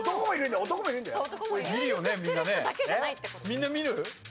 みんな見る？